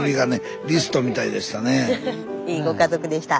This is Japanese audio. いいご家族でした。